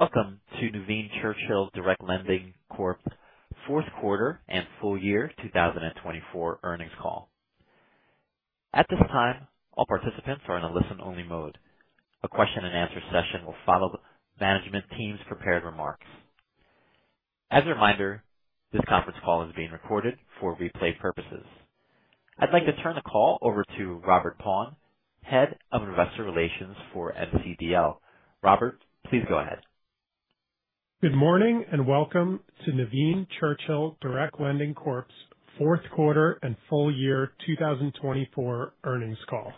Welcome to Nuveen Churchill Direct Lending Corp fourth quarter and full year 2024 earnings call. At this time, all participants are in a listen-only mode. A question and answer session will follow the management team's prepared remarks. As a reminder, this conference call is being recorded for replay purposes. I'd like to turn the call over to Robert Paun, Head of Investor Relations for NCDL. Robert, please go ahead. Good morning, and welcome to Nuveen Churchill Direct Lending Corp.'s fourth quarter and full year 2024 earnings call.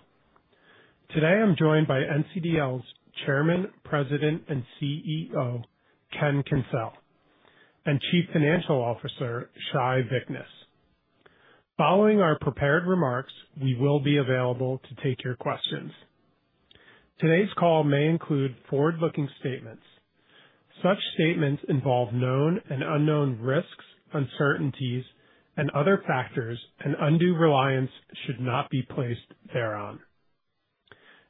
Today, I'm joined by NCDL's Chairman, President, and CEO, Ken Kencel, and Chief Financial Officer, Shai Vichness. Following our prepared remarks, we will be available to take your questions. Today's call may include forward-looking statements. Such statements involve known and unknown risks, uncertainties, and other factors, and undue reliance should not be placed thereon.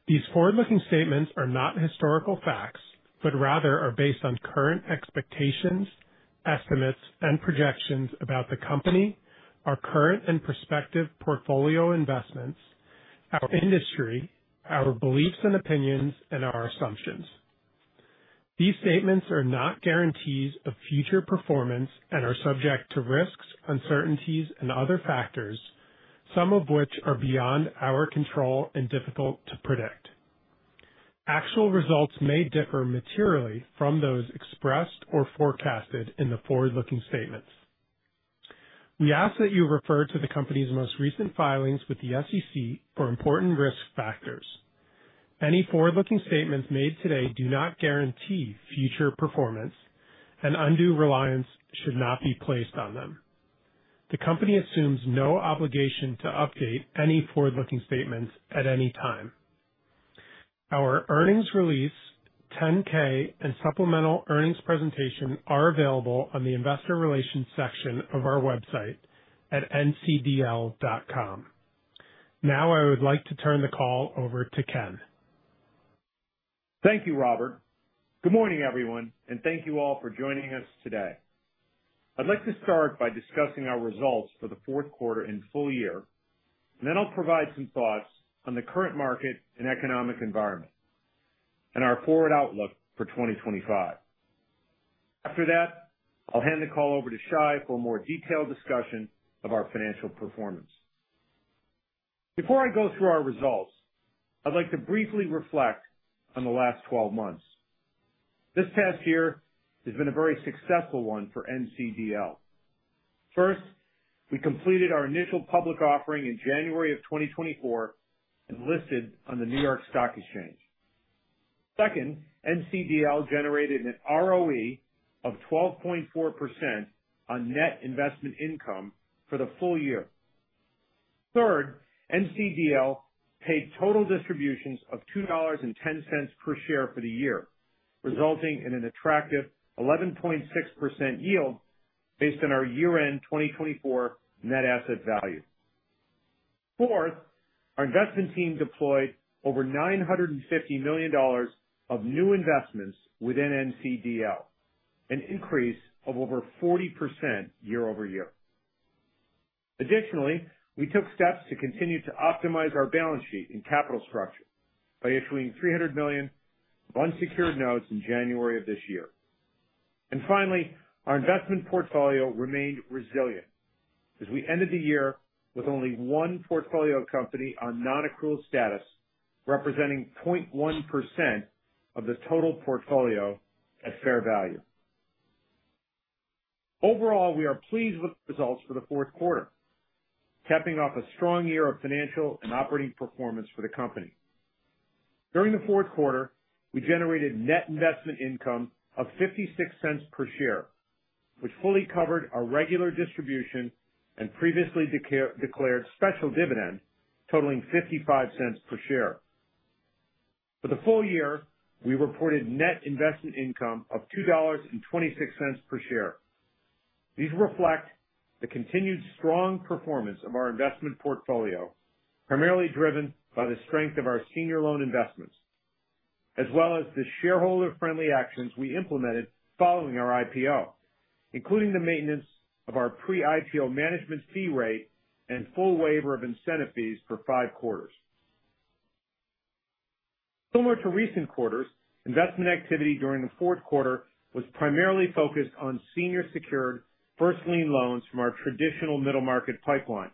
These forward-looking statements are not historical facts, but rather are based on current expectations, estimates, and projections about the company, our current and prospective portfolio investments, our industry, our beliefs and opinions, and our assumptions. These statements are not guarantees of future performance and are subject to risks, uncertainties, and other factors, some of which are beyond our control and difficult to predict. Actual results may differ materially from those expressed or forecasted in the forward-looking statements. We ask that you refer to the company's most recent filings with the SEC for important risk factors. Any forward-looking statements made today do not guarantee future performance, and undue reliance should not be placed on them. The company assumes no obligation to update any forward-looking statements at any time. Our earnings release, 10-K, and supplemental earnings presentation are available on the investor relations section of our website at ncdl.com. Now, I would like to turn the call over to Ken. Thank you, Robert. Good morning, everyone, and thank you all for joining us today. I'd like to start by discussing our results for the fourth quarter and full year. Then I'll provide some thoughts on the current market and economic environment and our forward outlook for 2025. After that, I'll hand the call over to Shai for a more detailed discussion of our financial performance. Before I go through our results, I'd like to briefly reflect on the last 12 months. This past year has been a very successful one for NCDL. First, we completed our initial public offering in January of 2024 and listed on the New York Stock Exchange. Second, NCDL generated an ROE of 12.4% on net investment income for the full year. Third, NCDL paid total distributions of $2.10 per share for the year, resulting in an attractive 11.6% yield based on our year-end 2024 net asset value. Fourth, our investment team deployed over $950 million of new investments within NCDL, an increase of over 40% year-over-year. Additionally, we took steps to continue to optimize our balance sheet and capital structure by issuing $300 million unsecured notes in January of this year. Finally, our investment portfolio remained resilient as we ended the year with only one portfolio company on non-accrual status, representing 0.1% of the total portfolio at fair value. Overall, we are pleased with the results for the fourth quarter, capping off a strong year of financial and operating performance for the company. During the fourth quarter, we generated net investment income of $0.56 per share, which fully covered our regular distribution and previously declared special dividend totaling $0.55 per share. For the full year, we reported net investment income of $2.26 per share. These reflect the continued strong performance of our investment portfolio, primarily driven by the strength of our senior loan investments as well as the shareholder-friendly actions we implemented following our IPO, including the maintenance of our pre-IPO management fee rate and full waiver of incentive fees for five quarters. Similar to recent quarters, investment activity during the fourth quarter was primarily focused on senior secured first lien loans from our traditional middle market pipeline.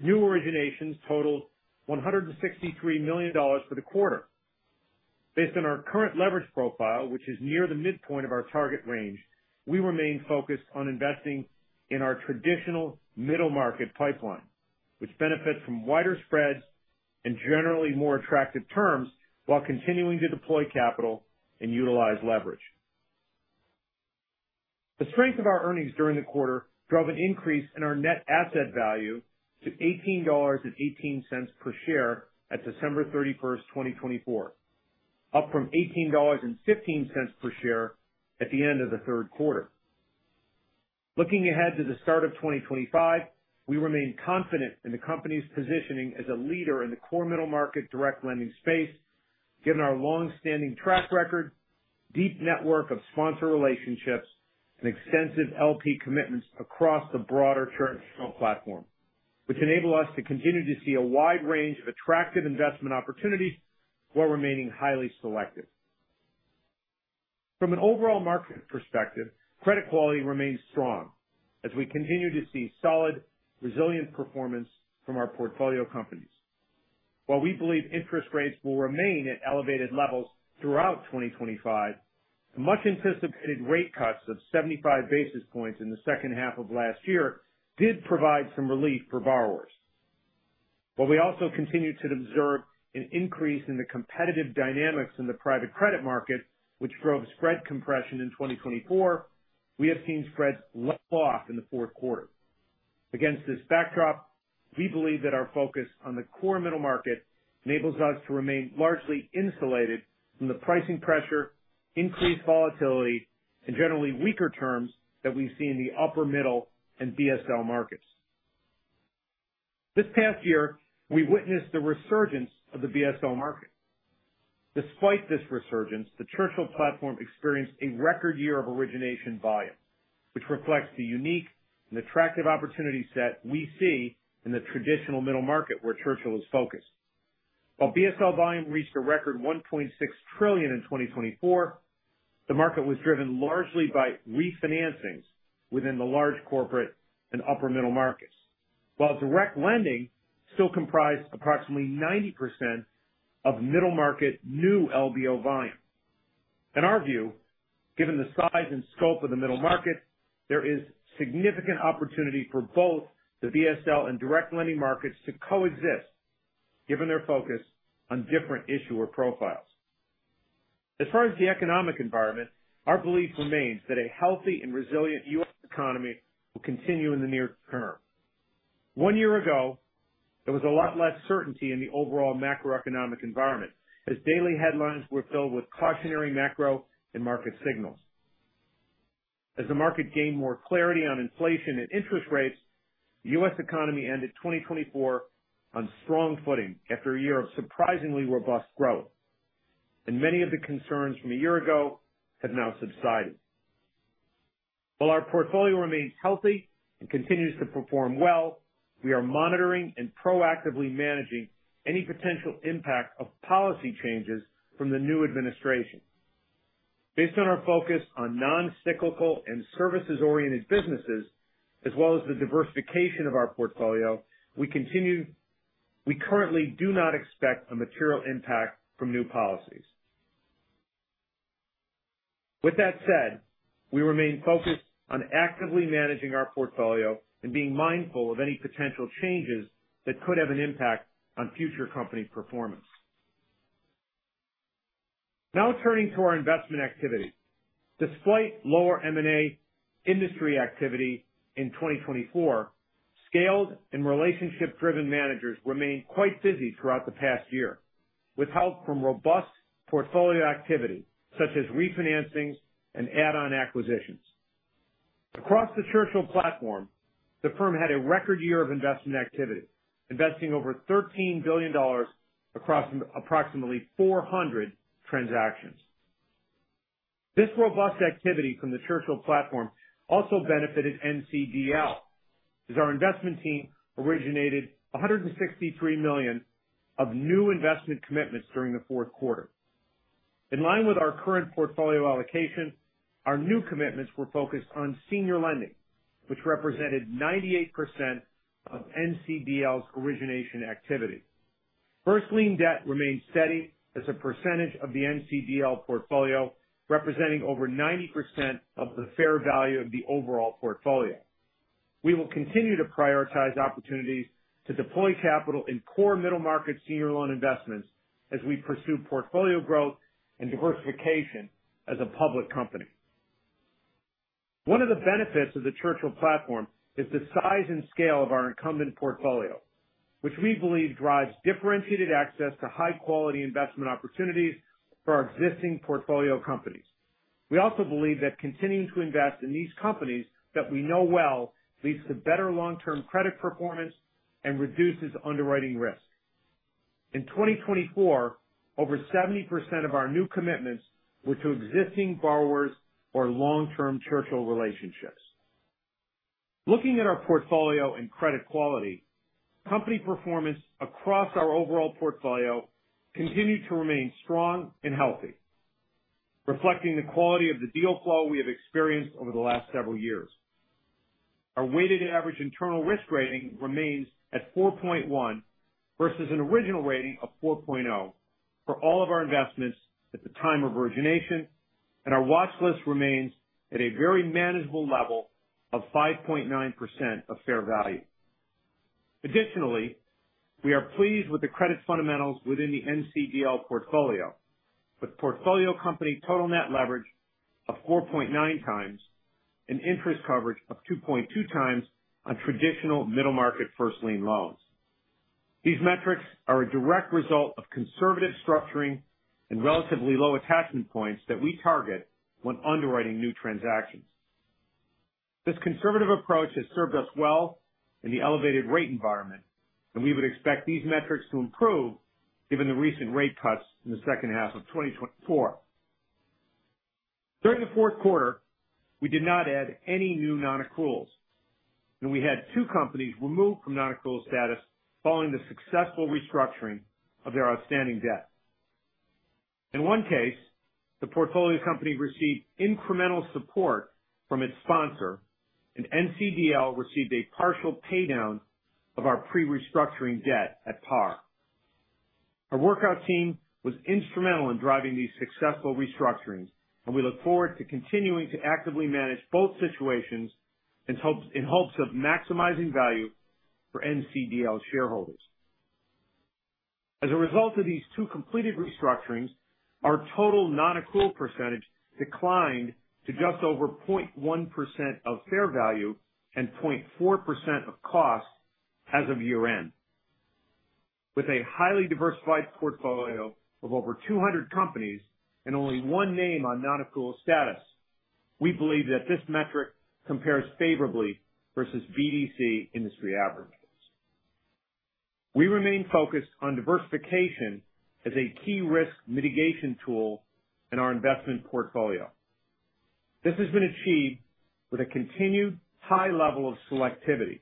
New originations totaled $163 million for the quarter. Based on our current leverage profile, which is near the midpoint of our target range, we remain focused on investing in our traditional middle market pipeline, which benefits from wider spreads and generally more attractive terms while continuing to deploy capital and utilize leverage. The strength of our earnings during the quarter drove an increase in our net asset value to $18.18 per share at December 31st, 2024, up from $18.15 per share at the end of the third quarter. Looking ahead to the start of 2025, we remain confident in the company's positioning as a leader in the core middle market direct lending space, given our long-standing track record, deep network of sponsor relationships, and extensive LP commitments across the broader Churchill platform, which enable us to continue to see a wide range of attractive investment opportunities while remaining highly selective. From an overall market perspective, credit quality remains strong as we continue to see solid, resilient performance from our portfolio companies. While we believe interest rates will remain at elevated levels throughout 2025, the much anticipated rate cuts of 75 basis points in the second half of last year did provide some relief for borrowers. We also continued to observe an increase in the competitive dynamics in the private credit market, which drove spread compression in 2024. We have seen spreads let off in the fourth quarter. Against this backdrop, we believe that our focus on the core middle market enables us to remain largely insulated from the pricing pressure, increased volatility, and generally weaker terms that we've seen in the upper middle and BSL markets. This past year, we witnessed the resurgence of the BSL market. Despite this resurgence, the Churchill platform experienced a record year of origination volume, which reflects the unique and attractive opportunity set we see in the traditional middle market where Churchill is focused. While BSL volume reached a record $1.6 trillion in 2024, the market was driven largely by refinancings within the large corporate and upper middle markets, while direct lending still comprised approximately 90% of middle market new LBO volume. In our view, given the size and scope of the middle market, there is significant opportunity for both the BSL and direct lending markets to coexist, given their focus on different issuer profiles. As far as the economic environment, our belief remains that a healthy and resilient U.S. economy will continue in the near term. One year ago, there was a lot less certainty in the overall macroeconomic environment, as daily headlines were filled with cautionary macro and market signals. As the market gained more clarity on inflation and interest rates, the U.S. economy ended 2024 on strong footing after a year of surprisingly robust growth, and many of the concerns from a year ago have now subsided. While our portfolio remains healthy and continues to perform well, we are monitoring and proactively managing any potential impact of policy changes from the new administration. Based on our focus on non-cyclical and services-oriented businesses, as well as the diversification of our portfolio, we currently do not expect a material impact from new policies. With that said, we remain focused on actively managing our portfolio and being mindful of any potential changes that could have an impact on future company performance. Now turning to our investment activity. Despite lower M&A industry activity in 2024, scaled and relationship-driven managers remained quite busy throughout the past year, with help from robust portfolio activity such as refinancings and add-on acquisitions. Across the Churchill platform, the firm had a record year of investment activity, investing over $13 billion across approximately 400 transactions. This robust activity from the Churchill platform also benefited NCDL, as our investment team originated $163 million of new investment commitments during the fourth quarter. In line with our current portfolio allocation, our new commitments were focused on senior lending, which represented 98% of NCDL's origination activity. First lien debt remained steady as a percentage of the NCDL portfolio, representing over 90% of the fair value of the overall portfolio. We will continue to prioritize opportunities to deploy capital in core middle market senior loan investments as we pursue portfolio growth and diversification as a public company. One of the benefits of the Churchill platform is the size and scale of our incumbent portfolio, which we believe drives differentiated access to high-quality investment opportunities for our existing portfolio companies. We also believe that continuing to invest in these companies that we know well leads to better long-term credit performance and reduces underwriting risk. In 2024, over 70% of our new commitments were to existing borrowers or long-term Churchill relationships. Looking at our portfolio and credit quality, company performance across our overall portfolio continued to remain strong and healthy, reflecting the quality of the deal flow we have experienced over the last several years. Our weighted average internal risk rating remains at 4.1 versus an original rating of 4.0 for all of our investments at the time of origination, and our watch list remains at a very manageable level of 5.9% of fair value. Additionally, we are pleased with the credit fundamentals within the NCDL portfolio, with portfolio company total net leverage of 4.9x and interest coverage of 2.2x on traditional middle market first lien loans. These metrics are a direct result of conservative structuring and relatively low attachment points that we target when underwriting new transactions. This conservative approach has served us well in the elevated rate environment, and we would expect these metrics to improve given the recent rate cuts in the second half of 2024. During the fourth quarter, we did not add any new non-accruals. We had two companies removed from non-accrual status following the successful restructuring of their outstanding debt. In one case, the portfolio company received incremental support from its sponsor. NCDL received a partial pay down of our pre-restructuring debt at par. Our workout team was instrumental in driving these successful restructurings. We look forward to continuing to actively manage both situations in hopes of maximizing value for NCDL's shareholders. As a result of these two completed restructurings, our total non-accrual percentage declined to just over 0.1% of fair value and 0.4% of cost as of year-end. With a highly diversified portfolio of over 200 companies and only one name on non-accrual status, we believe that this metric compares favorably versus BDC industry averages. We remain focused on diversification as a key risk mitigation tool in our investment portfolio. This has been achieved with a continued high level of selectivity.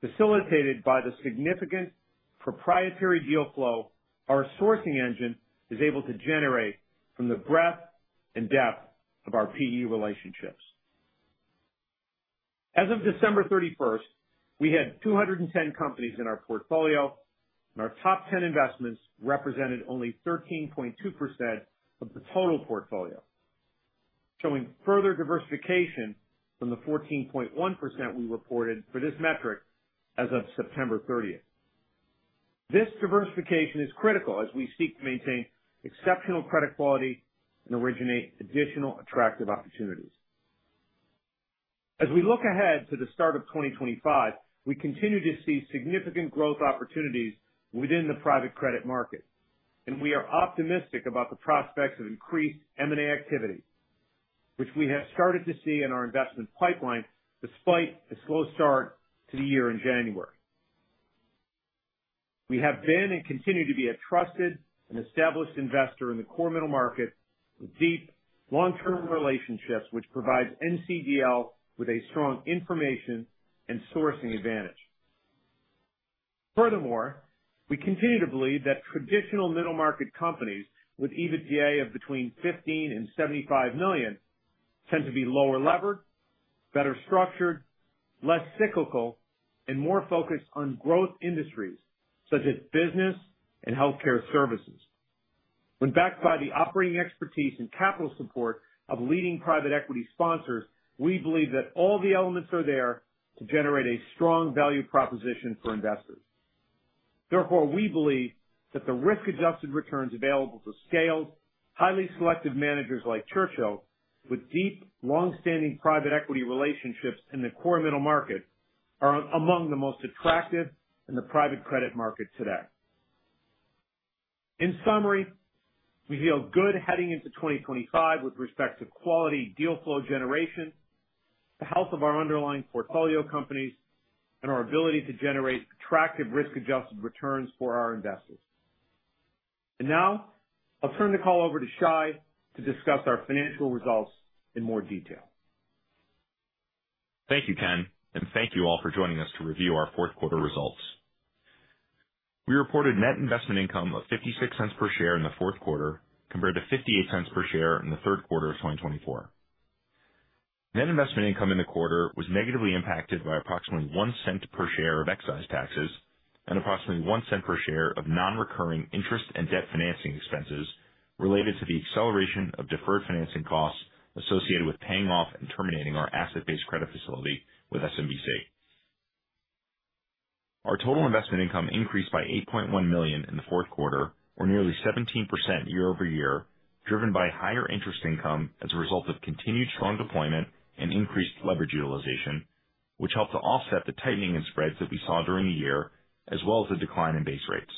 Facilitated by the significant proprietary deal flow our sourcing engine is able to generate from the breadth and depth of our PE relationships. As of December 31st, we had 210 companies in our portfolio, and our top 10 investments represented only 13.2% of the total portfolio, showing further diversification from the 14.1% we reported for this metric as of September 30th. This diversification is critical as we seek to maintain exceptional credit quality and originate additional attractive opportunities. As we look ahead to the start of 2025, we continue to see significant growth opportunities within the private credit market, and we are optimistic about the prospects of increased M&A activity, which we have started to see in our investment pipeline despite a slow start to the year in January. We have been and continue to be a trusted and established investor in the core middle market with deep long-term relationships, which provides NCDL with a strong information and sourcing advantage. Furthermore, we continue to believe that traditional middle market companies with EBITDA of between $15 million and $75 million tend to be lower levered, better structured, less cyclical, and more focused on growth industries such as business and healthcare services. When backed by the operating expertise and capital support of leading private equity sponsors, we believe that all the elements are there to generate a strong value proposition for investors. Therefore, we believe that the risk-adjusted returns available to scaled, highly selective managers like Churchill with deep, long-standing private equity relationships in the core middle market are among the most attractive in the private credit market today. In summary, we feel good heading into 2025 with respect to quality deal flow generation, the health of our underlying portfolio companies, and our ability to generate attractive risk-adjusted returns for our investors. Now I'll turn the call over to Shai to discuss our financial results in more detail. Thank you, Ken, and thank you all for joining us to review our fourth quarter results. We reported net investment income of $0.56 per share in the fourth quarter compared to $0.58 per share in the third quarter of 2024. Net investment income in the quarter was negatively impacted by approximately $0.01 per share of excise taxes and approximately $0.01 per share of non-recurring interest and debt financing expenses related to the acceleration of deferred financing costs associated with paying off and terminating our asset-based credit facility with SMBC. Our total investment income increased by $8.1 million in the fourth quarter, or nearly 17% year-over-year, driven by higher interest income as a result of continued strong deployment and increased leverage utilization, which helped to offset the tightening in spreads that we saw during the year, as well as the decline in base rates.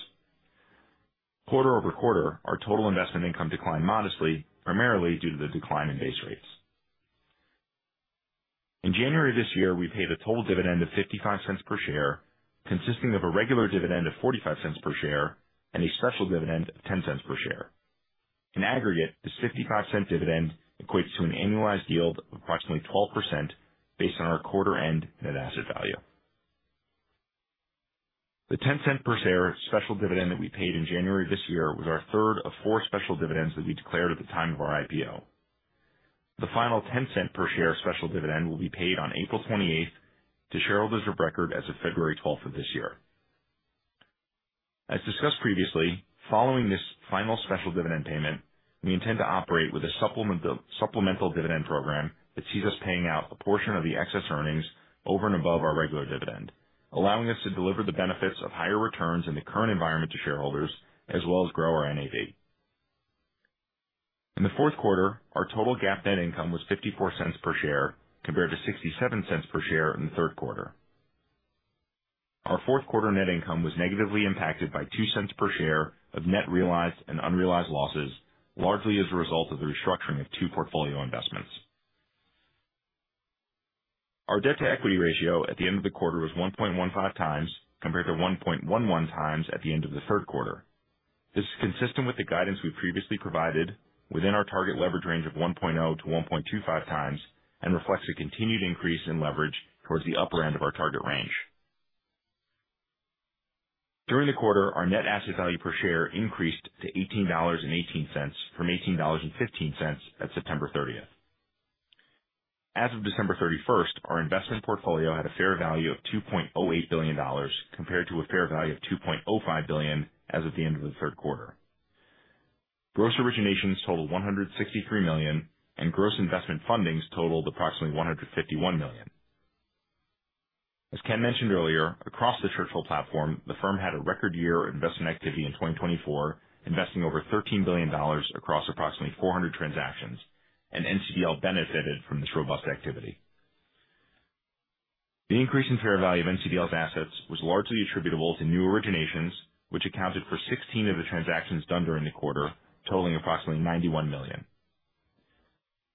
Quarter-over-quarter, our total investment income declined modestly, primarily due to the decline in base rates. In January this year, we paid a total dividend of $0.55 per share, consisting of a regular dividend of $0.45 per share and a special dividend of $0.10 per share. In aggregate, this $0.55 dividend equates to an annualized yield of approximately 12% based on our quarter-end net asset value. The $0.10 per share special dividend that we paid in January this year was our third of four special dividends that we declared at the time of our IPO. The final $0.10 per share special dividend will be paid on April 28th to shareholders of record as of February 12th of this year. As discussed previously, following this final special dividend payment, we intend to operate with a supplemental dividend program that sees us paying out a portion of the excess earnings over and above our regular dividend, allowing us to deliver the benefits of higher returns in the current environment to shareholders, as well as grow our NAV. In the fourth quarter, our total GAAP net income was $0.54 per share compared to $0.67 per share in the third quarter. Our fourth quarter net income was negatively impacted by $0.02 per share of net realized and unrealized losses, largely as a result of the restructuring of two portfolio investments. Our debt to equity ratio at the end of the quarter was 1.15x compared to 1.11x at the end of the third quarter. This is consistent with the guidance we previously provided within our target leverage range of 1.0x-1.25x, and reflects a continued increase in leverage towards the upper end of our target range. During the quarter, our net asset value per share increased to $18.18 from $18.15 at September 30th. As of December 31st, our investment portfolio had a fair value of $2.08 billion compared to a fair value of $2.05 billion as of the end of the third quarter. Gross originations totaled $163 million, gross investment fundings totaled approximately $151 million. As Ken mentioned earlier, across the Churchill platform, the firm had a record year of investment activity in 2024, investing over $13 billion across approximately 400 transactions. NCDL benefited from this robust activity. The increase in fair value of NCDL's assets was largely attributable to new originations, which accounted for 16 of the transactions done during the quarter, totaling approximately $91 million.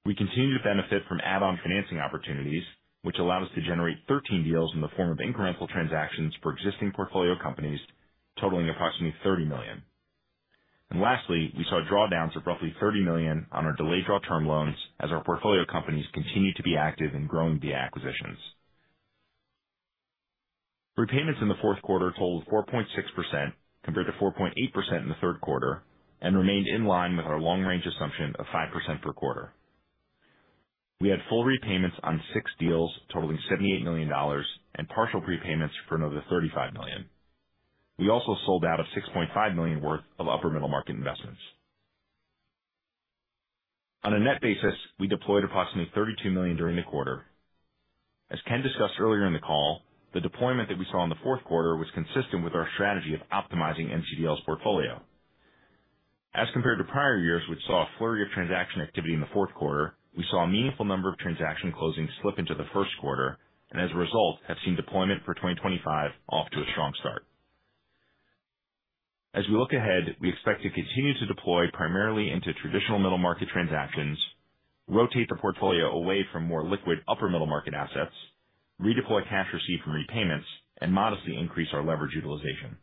We continue to benefit from add-on financing opportunities, which allow us to generate 13 deals in the form of incremental transactions for existing portfolio companies, totaling approximately $30 million. Lastly, we saw drawdowns of roughly $30 million on our delayed draw term loans as our portfolio companies continue to be active in growing via acquisitions. Repayments in the fourth quarter totaled 4.6% compared to 4.8% in the third quarter, and remained in line with our long range assumption of 5% per quarter. We had full repayments on six deals totaling $78 million and partial prepayments for another $35 million. We also sold out of $6.5 million worth of upper middle market investments. On a net basis, we deployed approximately $32 million during the quarter. As Ken discussed earlier in the call, the deployment that we saw in the fourth quarter was consistent with our strategy of optimizing NCDL's portfolio. As compared to prior years, which saw a flurry of transaction activity in the fourth quarter, we saw a meaningful number of transaction closings slip into the first quarter and as a result, have seen deployment for 2025 off to a strong start. As we look ahead, we expect to continue to deploy primarily into traditional middle market transactions, rotate the portfolio away from more liquid upper middle market assets, redeploy cash received from repayments, and modestly increase our leverage utilization.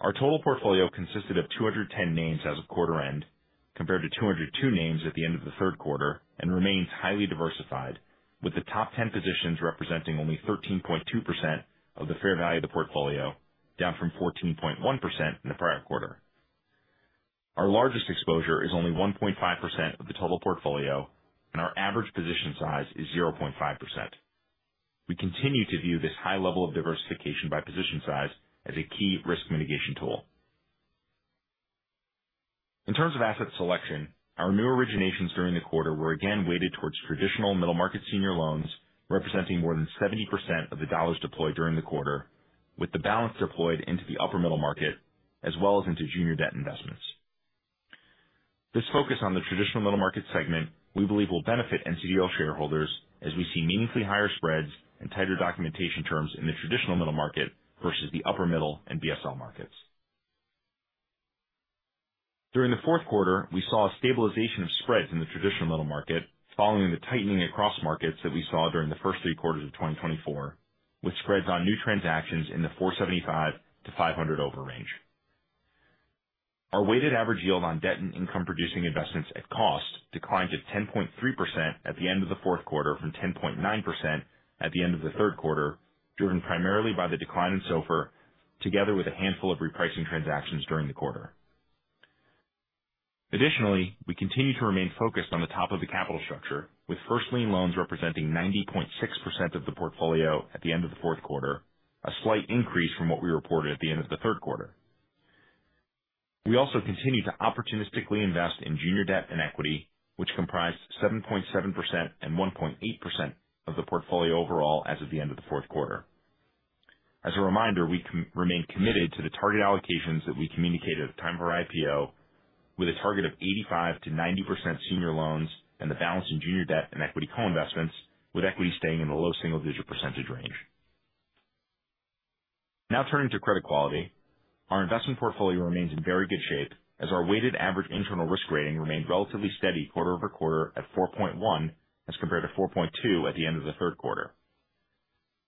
Our total portfolio consisted of 210 names as of quarter end, compared to 202 names at the end of the third quarter, and remains highly diversified, with the top 10 positions representing only 13.2% of the fair value of the portfolio, down from 14.1% in the prior quarter. Our largest exposure is only 1.5% of the total portfolio, and our average position size is 0.5%. We continue to view this high level of diversification by position size as a key risk mitigation tool. In terms of asset selection, our new originations during the quarter were again weighted towards traditional middle market senior loans, representing more than 70% of the dollars deployed during the quarter, with the balance deployed into the upper middle market as well as into junior debt investments. This focus on the traditional middle market segment we believe will benefit NCDL shareholders as we see meaningfully higher spreads and tighter documentation terms in the traditional middle market versus the upper middle and BSL markets. During the fourth quarter, we saw a stabilization of spreads in the traditional middle market following the tightening across markets that we saw during the first three quarters of 2024, with spreads on new transactions in the 475 to 500 over range. Our weighted average yield on debt and income producing investments at cost declined to 10.3% at the end of the fourth quarter from 10.9% at the end of the third quarter, driven primarily by the decline in SOFR, together with a handful of repricing transactions during the quarter. Additionally, we continue to remain focused on the top of the capital structure, with first lien loans representing 90.6% of the portfolio at the end of the fourth quarter, a slight increase from what we reported at the end of the third quarter. We also continue to opportunistically invest in junior debt and equity, which comprised 7.7% and 1.8% of the portfolio overall as of the end of the fourth quarter. As a reminder, we remain committed to the target allocations that we communicated at the time of our IPO with a target of 85%-90% senior loans and the balance in junior debt and equity co-investments, with equity staying in the low single-digit percentage range. Turning to credit quality. Our investment portfolio remains in very good shape as our weighted average internal risk rating remained relatively steady quarter-over-quarter at 4.1 as compared to 4.2 at the end of the third quarter.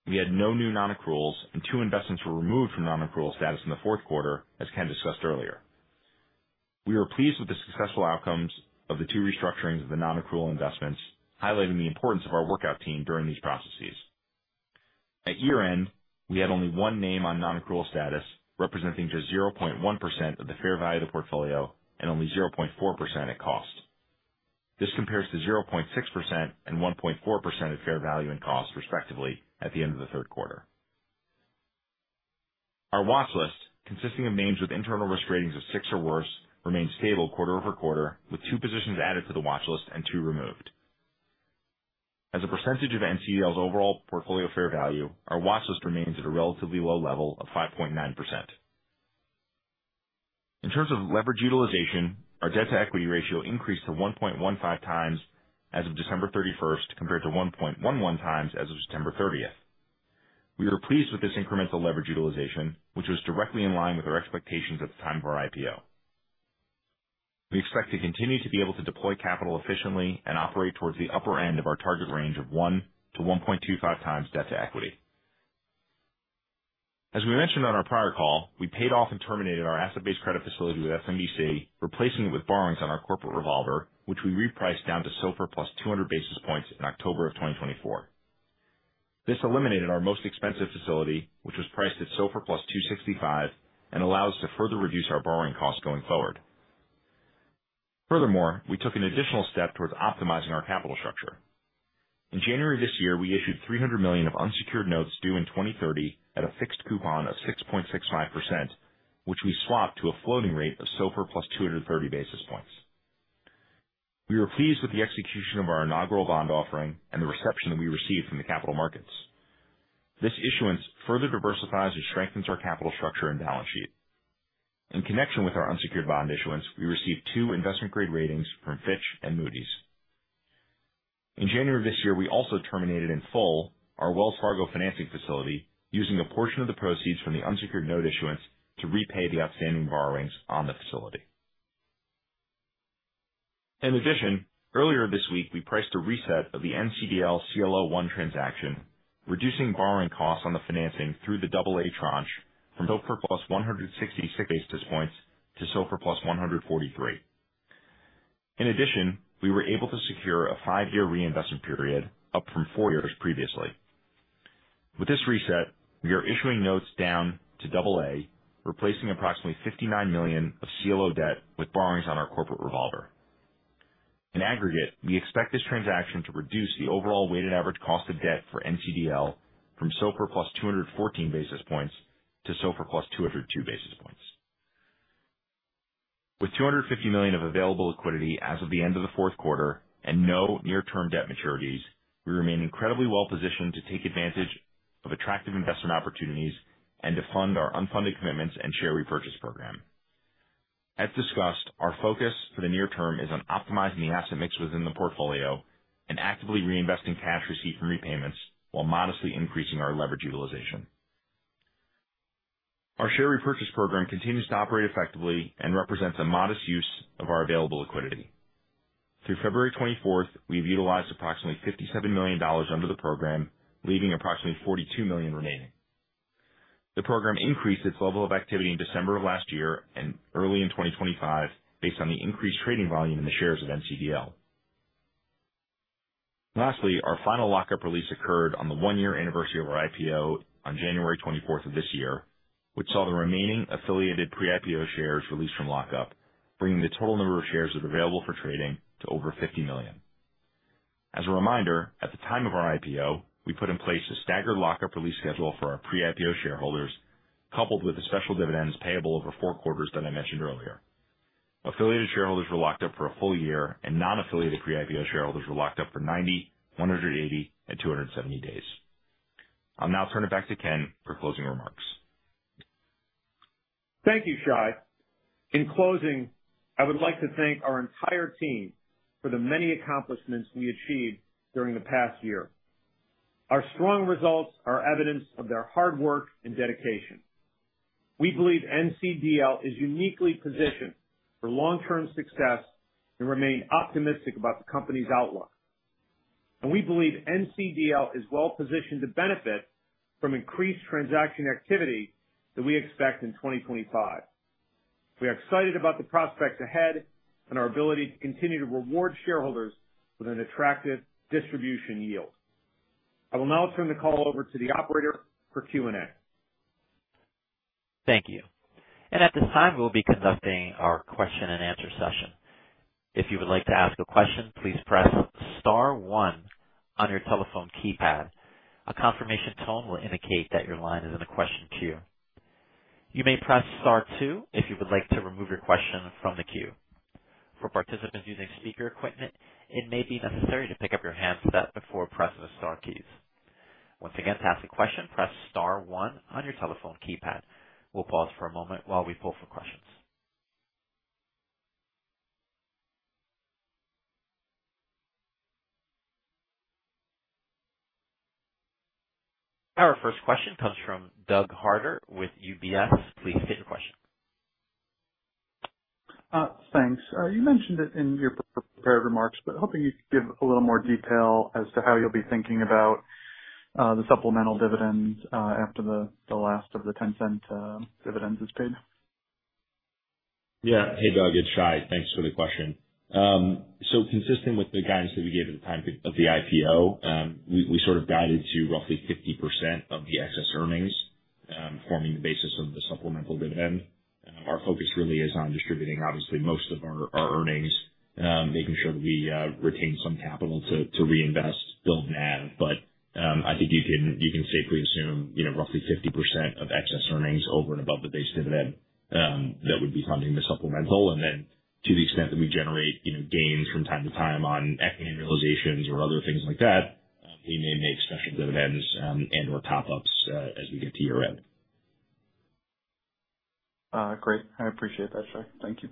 We had no new non-accruals and two investments were removed from non-accrual status in the fourth quarter, as Ken discussed earlier. We are pleased with the successful outcomes of the two restructurings of the non-accrual investments, highlighting the importance of our workout team during these processes. At year-end, we had only one name on non-accrual status, representing just 0.1% of the fair value of the portfolio and only 0.4% at cost. This compares to 0.6% and 1.4% at fair value and cost, respectively, at the end of the third quarter. Our watch list, consisting of names with internal risk ratings of six or worse, remained stable quarter-over-quarter, with two positions added to the watch list and two removed. As a percentage of NCDL's overall portfolio fair value, our watch list remains at a relatively low level of 5.9%. In terms of leverage utilization, our debt to equity ratio increased to 1.15x as of December 31st compared to 1.11x as of September 30th. We are pleased with this incremental leverage utilization, which was directly in line with our expectations at the time of our IPO. We expect to continue to be able to deploy capital efficiently and operate towards the upper end of our target range of 1x-1.25x debt to equity. As we mentioned on our prior call, we paid off and terminated our asset-based credit facility with SMBC, replacing it with borrowings on our corporate revolver, which we repriced down to SOFR plus 200 basis points in October of 2024. This eliminated our most expensive facility, which was priced at SOFR plus 265 basis point, and allows us to further reduce our borrowing costs going forward. We took one additional step towards optimizing our capital structure. In January this year, we issued $300 million of unsecured notes due in 2030 at a fixed coupon of 6.65%, which we swapped to a floating rate of SOFR plus 230 basis points. We are pleased with the execution of our inaugural bond offering and the reception that we received from the capital markets. This issuance further diversifies and strengthens our capital structure and balance sheet. In connection with our unsecured bond issuance, we received two investment grade ratings from Fitch and Moody's. In January of this year, we also terminated in full our Wells Fargo financing facility using a portion of the proceeds from the unsecured note issuance to repay the outstanding borrowings on the facility. Earlier this week, we priced a reset of the NCDL CLO I transaction, reducing borrowing costs on the financing through the double A tranche from SOFR plus 166 basis points to SOFR plus 143 basis point. We were able to secure a five-year reinvestment period, up from four years previously. With this reset, we are issuing notes down to double A, replacing approximately $59 million of CLO debt with borrowings on our corporate revolver. In aggregate, we expect this transaction to reduce the overall weighted average cost of debt for NCDL from SOFR plus 214 basis points to SOFR plus 202 basis points. With $250 million of available liquidity as of the end of the fourth quarter and no near term debt maturities, we remain incredibly well positioned to take advantage of attractive investment opportunities and to fund our unfunded commitments and Share Repurchase Program. As discussed, our focus for the near term is on optimizing the asset mix within the portfolio and actively reinvesting cash received from repayments while modestly increasing our leverage utilization. Our Share Repurchase Program continues to operate effectively and represents a modest use of our available liquidity. Through February 24th, we've utilized approximately $57 million under the program, leaving approximately $42 million remaining. The program increased its level of activity in December of last year and early in 2025 based on the increased trading volume in the shares of NCDL. Our final lock-up release occurred on the 1-year anniversary of our IPO on January 24th of this year, which saw the remaining affiliated pre-IPO shares released from lock-up, bringing the total number of shares that are available for trading to over 50 million. As a reminder, at the time of our IPO, we put in place a staggered lock-up release schedule for our pre-IPO shareholders, coupled with the special dividends payable over four quarters that I mentioned earlier. Affiliated shareholders were locked up for a full year, non-affiliated pre-IPO shareholders were locked up for 90, 180, and 270 days. I'll now turn it back to Ken for closing remarks. Thank you, Shai. In closing, I would like to thank our entire team for the many accomplishments we achieved during the past year. Our strong results are evidence of their hard work and dedication. We believe NCDL is uniquely positioned for long-term success and remain optimistic about the company's outlook. We believe NCDL is well positioned to benefit from increased transaction activity that we expect in 2025. We are excited about the prospects ahead and our ability to continue to reward shareholders with an attractive distribution yield. I will now turn the call over to the operator for Q&A. Thank you. At this time, we'll be conducting our question and answer session. If you would like to ask a question, please press star one on your telephone keypad. A confirmation tone will indicate that your line is in the question queue. You may press star two if you would like to remove your question from the queue. For participants using speaker equipment, it may be necessary to pick up your handset before pressing the star keys. Once again, to ask a question, press star one on your telephone keypad. We'll pause for a moment while we pull for questions. Our first question comes from Doug Harter with UBS. Please state your question. Thanks. You mentioned it in your prepared remarks, hoping you could give a little more detail as to how you'll be thinking about the supplemental dividends after the last of the $0.10 dividends is paid. Hey, Doug, it's Shai. Thanks for the question. Consistent with the guidance that we gave at the time of the IPO, we sort of guided to roughly 50% of the excess earnings, forming the basis of the supplemental dividend. Our focus really is on distributing obviously most of our earnings, making sure that we retain some capital to reinvest, build NAV. I think you can, you can safely assume, you know, roughly 50% of excess earnings over and above the base dividend, that would be funding the supplemental. To the extent that we generate, you know, gains from time to time on equity realizations or other things like that, we may make special dividends, and/or top-ups, as we get to year-end. Great. I appreciate that, Shai. Thank you.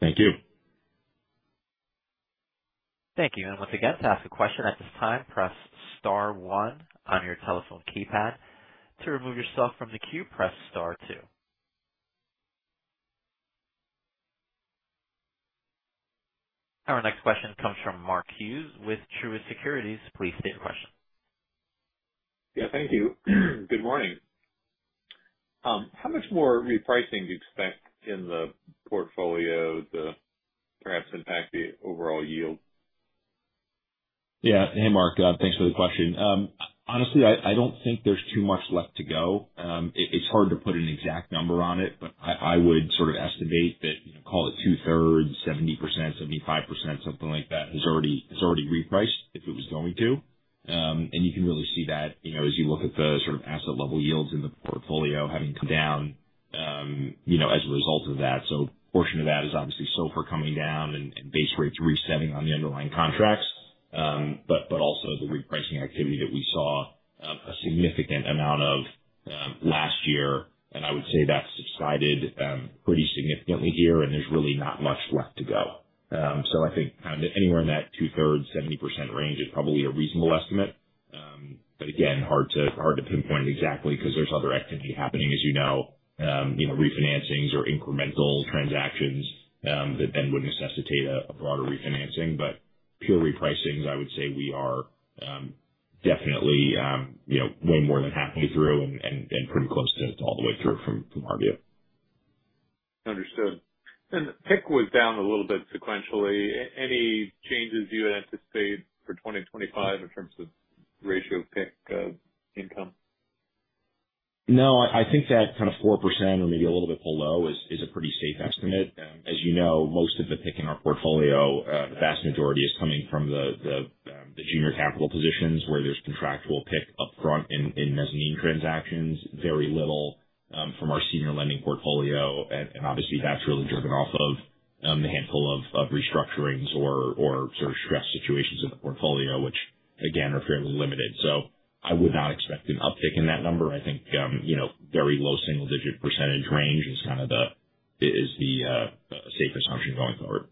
Thank you. Thank you. Once again, to ask a question at this time, press star one on your telephone keypad. To remove yourself from the queue, press star two. Our next question comes from Mark Hughes with Truist Securities. Please state your question. Yeah, thank you. Good morning. How much more repricing do you expect in the portfolio to perhaps impact the overall yield? Yeah. Hey, Mark. Thanks for the question. Honestly, I don't think there's too much left to go. It, it's hard to put an exact number on it, but I would sort of estimate that call it 2/3, 70%, 75%, something like that, has already repriced if it was going to. You can really see that, you know, as you look at the sort of asset-level yields in the portfolio having come down, you know, as a result of that. A portion of that is obviously SOFR coming down and base rates resetting on the underlying contracts. Also the repricing activity that we saw a significant amount of last year. I would say that's subsided pretty significantly here, and there's really not much left to go. I think kind of anywhere in that 2/3, 70% range is probably a reasonable estimate. Again, hard to pinpoint exactly 'cause there's other activity happening, as you know. You know, refinancings or incremental transactions, that then would necessitate a broader refinancing. Pure repricings, I would say we are, definitely, you know, way more than halfway through and pretty close to all the way through from our view. Understood. The PIK was down a little bit sequentially. Any changes you had anticipated for 2025 in terms of ratio PIK income? No, I think that kind of 4% or maybe a little bit below is a pretty safe estimate. As you know, most of the PIK in our portfolio, the vast majority is coming from the junior capital positions where there's contractual PIK upfront in mezzanine transactions. Very little from our senior lending portfolio. Obviously, that's really driven off of the handful of restructurings or sort of stress situations in the portfolio, which again, are fairly limited. I would not expect an uptick in that number. I think, you know, very low single-digit percentage range is kind of the safe assumption going forward.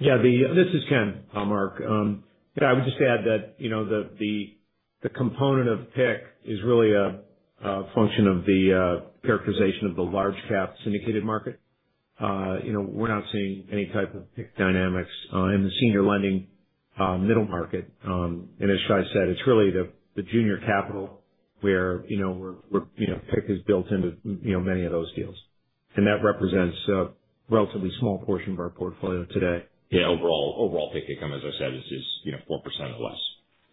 Yeah. This is Ken, Mark Hughes. I would just add that, you know, the component of PIK is really a function of the characterization of the large cap syndicated market. You know, we're not seeing any type of PIK dynamics in the senior lending middle market. As Shai said, it's really the junior capital where, you know, we're, you know, PIK is built into, you know, many of those deals. That represents a relatively small portion of our portfolio today. Yeah. Overall PIK income, as I said, is, you know, 4% or less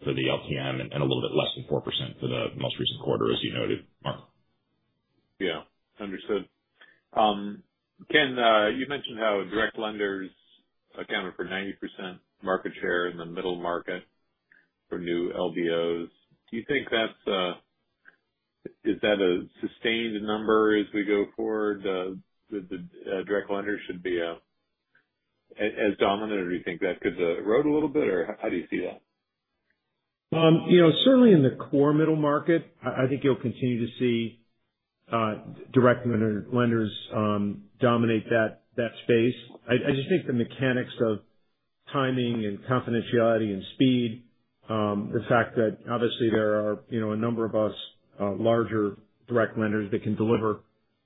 for the LTM and a little bit less than 4% for the most recent quarter, as you noted, Mark. Yeah. Understood. Ken, you mentioned how direct lenders accounted for 90% market share in the middle market for new LBOs. Do you think that's Is that a sustained number as we go forward? The direct lenders should be as dominant, or do you think that could erode a little bit, or how do you see that? You know, certainly in the core middle market, I think you'll continue to see direct lenders dominate that space. I just think the mechanics of timing and confidentiality and speed, the fact that obviously there are, you know, a number of us, larger direct lenders that can deliver,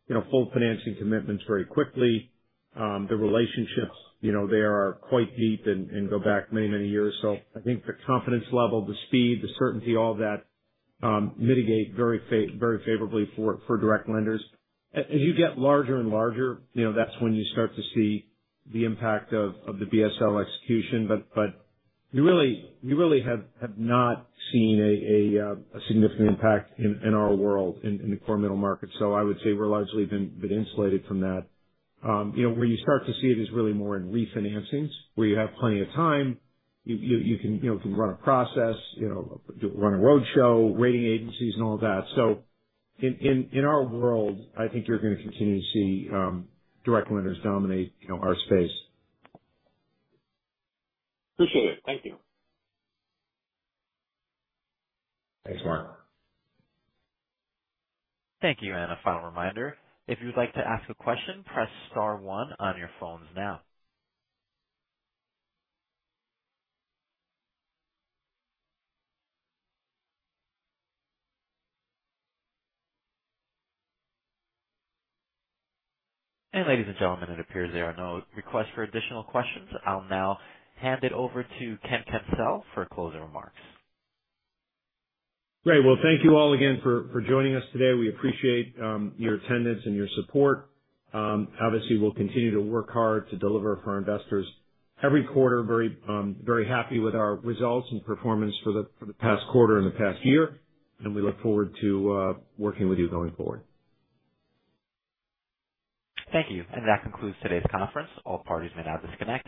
you know, full financing commitments very quickly. The relationships, you know, they are quite deep and go back many years. I think the confidence level, the speed, the certainty, all that mitigate very favorably for direct lenders. As you get larger and larger, you know, that's when you start to see the impact of the BSL execution. You really have not seen a significant impact in our world in the core middle market. I would say we're largely been insulated from that. You know, where you start to see it is really more in refinancings, where you have plenty of time. You can, you know, run a process, you know, run a roadshow, rating agencies and all that. In our world, I think you're gonna continue to see direct lenders dominate, you know, our space. Appreciate it. Thank you. Thanks, Mark. Thank you. A final reminder, if you'd like to ask a question, press star one on your phones now. Ladies and gentlemen, it appears there are no requests for additional questions. I'll now hand it over to Ken Kencel for closing remarks. Great. Well, thank you all again for joining us today. We appreciate your attendance and your support. Obviously, we'll continue to work hard to deliver for our investors every quarter. Very happy with our results and performance for the past quarter and the past year. We look forward to working with you going forward. Thank you. That concludes today's conference. All parties may now disconnect.